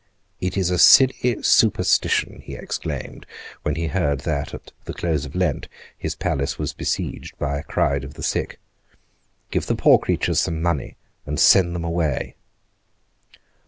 "It is a silly superstition," he exclaimed, when he heard that, at the close of Lent, his palace was besieged by a crowd of the sick: "Give the poor creatures some money, and send them away."